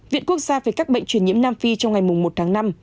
viện quốc gia về các bệnh truyền nhiễm nam phi trong ngày một tháng năm